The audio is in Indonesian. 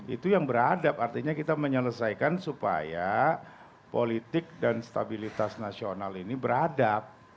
itu yang beradab artinya kita menyelesaikan supaya politik dan stabilitas nasional ini beradab